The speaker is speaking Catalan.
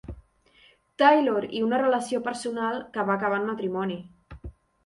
Taylor i una relació personal que va acabar en matrimoni.